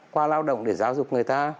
qua lao động để giáo dục người ta